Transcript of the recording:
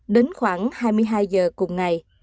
đến khoảng hai mươi hai giờ cùng ngày